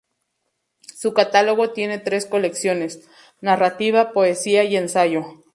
Su catálogo tiene tres colecciones: narrativa, poesía y ensayo.